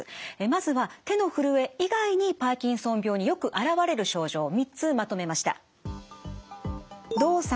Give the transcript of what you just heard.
まずは手のふるえ以外にパーキンソン病によく現れる症状３つまとめました。